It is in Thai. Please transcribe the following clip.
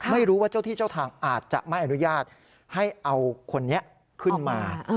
ไม่รู้ว่าเจ้าที่เจ้าทางอาจจะไม่อนุญาตให้เอาคนนี้ขึ้นมา